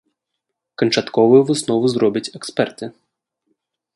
Канчатковую выснову зробяць эксперты.